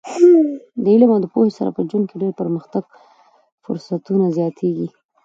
د علم او پوهې سره په ژوند کې د پرمختګ فرصتونه زیاتېږي.